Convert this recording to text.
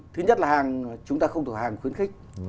thứ nhất là hàng chúng ta không thuộc hàng khuyến khích